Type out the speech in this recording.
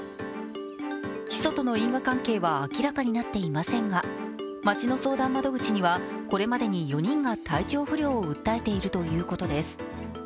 ヒ素との因果関係は明らかになっていませんが町の相談窓口には、これまでに４人が体調不良を訴えているということです。